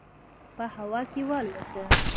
په هوا کې والوته.